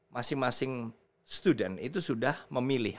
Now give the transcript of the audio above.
masing masing student itu sudah memilih